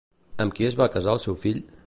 Amb qui es va casar el seu fill?